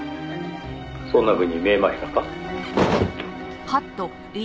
「そんなふうに見えましたか？」